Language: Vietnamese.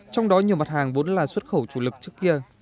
trong đó nhiều mặt hàng vốn là xuất khẩu chủ lực trước kia